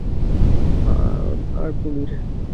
হ্যাঁম আর পনির!